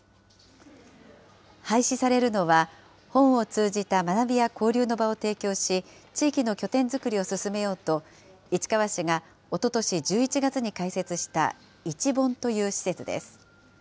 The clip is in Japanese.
廃止されるのは、本を通じた学びや交流の場を提供し、地域の拠点作りを進めようと、市川市がおととし１１月に開設した市本という施設です。